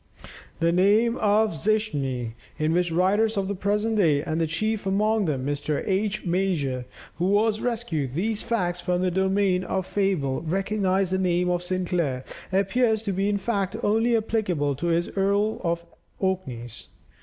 The name of Zichmni, in which writers of the present day, and chief among them Mr. H. Major, who has rescued these facts from the domain of fable, recognize the name of Sinclair appears to be in fact only applicable to this earl of the Orkneys.